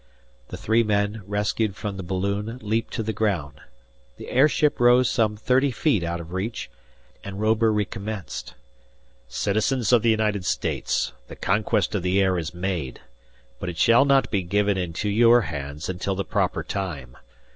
The three men rescued from the balloon leaped to the ground. The airship rose some thirty feet out of reach, and Robur recommenced: "Citizens of the United States, the conquest of the air is made; but it shall not be given into your hands until the proper time.